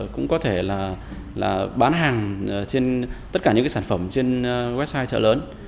cũng có thể bán hàng trên tất cả những sản phẩm trên website trợ lớn